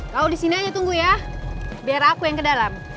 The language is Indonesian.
kau disini aja tunggu ya biar aku yang kedalam